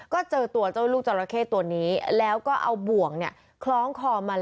ก็เจอตัวเจ้าลูกจราเข้ตัวนี้แล้วก็เอาบ่วงคล้องคอมัน